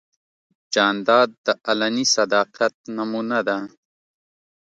جانداد د علني صداقت نمونه ده.